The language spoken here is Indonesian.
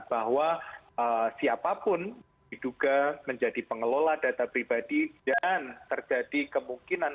bahwa siapapun diduga menjadi pengelola data pribadi dan terjadi kemungkinan